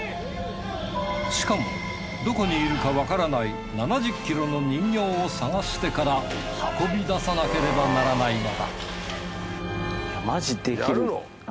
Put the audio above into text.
しかもどこにいるか分からない７０ｋｇの人形を捜してから運び出さなければならないのだあぁ